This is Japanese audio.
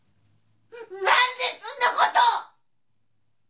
何でそんなことを！？